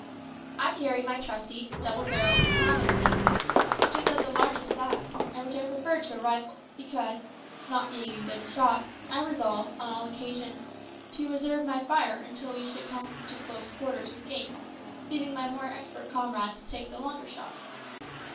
I carried my trusty, double barrelled fowling piece, which is of the largest size, and which I preferred to a rifle, because, not being a good shot, I resolved, on all occasions, to reserve my fire until we should come to close quarters with game, leaving my more expert comrades to take the longer shots.